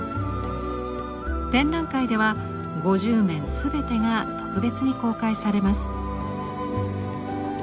展覧会では５０面全てが特別に公開されます。